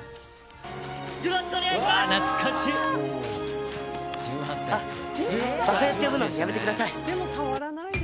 よろしくお願いします！